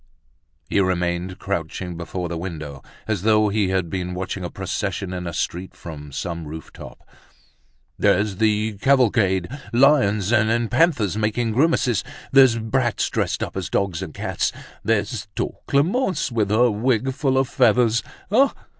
He remained crouching before the window, as though he had been watching a procession in a street, from some rooftop. "There's the cavalcade, lions and panthers making grimaces—there's brats dressed up as dogs and cats—there's tall Clemence, with her wig full of feathers. Ah!